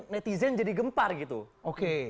netizen jadi gempar gitu oke